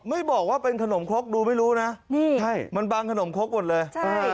ไม่บอกว่าเป็นขนมครกดูไม่รู้นะนี่ใช่มันบางขนมครกหมดเลยใช่